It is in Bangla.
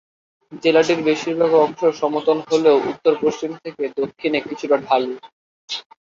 জেলাটির বেশিরভাগ অংশ সমতল হলেও উত্তর-পশ্চিম থেকে দক্ষিণে কিছুটা ঢালু।